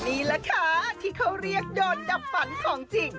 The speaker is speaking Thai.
นี่แหละค่ะที่เขาเรียกโดนดับฝันของจริง